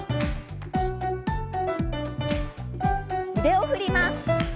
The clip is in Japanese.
腕を振ります。